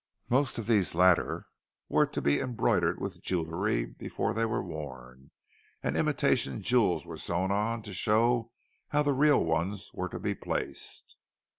Most of these latter were to be embroidered with jewellery before they were worn, and imitation jewels were sewn on, to show how the real ones were to be placed.